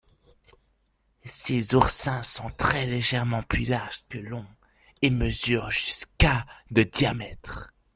Ces oursins sont très légèrement plus larges que longs, et mesurent jusqu'à de diamètre.